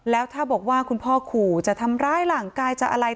แล้วถ้าบอกว่าคุณพ่อขู่จะทำร้ายร่างกายจะอะไร